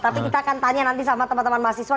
tapi kita akan tanya nanti sama teman teman mahasiswa